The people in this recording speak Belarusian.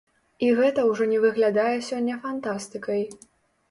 І гэта ўжо не выглядае сёння фантастыкай.